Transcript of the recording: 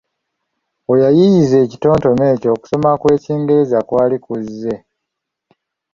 Weyayiiyiza ekitontome ekyo okusoma kw’Ekingereza kwali kuzze.